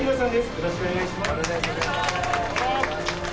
よろしくお願いします。